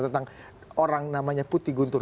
tentang orang namanya putih guntur